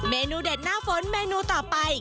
เมนูเด็ดหน้าฝนเมนูต่อไป